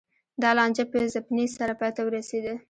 دا لانجه په ځپنې سره پای ته ورسېده